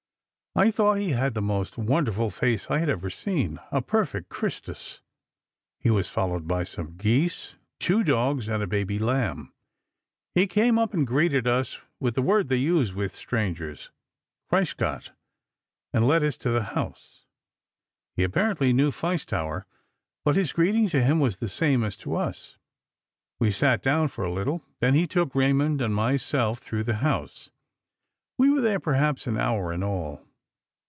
I thought he had the most wonderful face I had ever seen, a perfect Christus. He was followed by some geese, two dogs and a baby lamb. He came up and greeted us with the word they use with strangers, 'Christgott,' and led us to the house. He apparently knew Feistauer, but his greeting to him was the same as to us. We sat down for a little; then he took Raymond and myself through the house. We were there perhaps an hour in all.